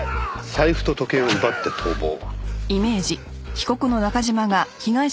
財布と時計を奪って逃亡。